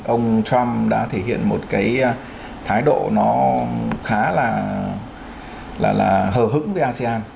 ông trump đã thể hiện một cái thái độ nó khá là hờ hững với asean